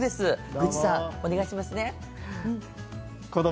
グッチさん、お願いしますね。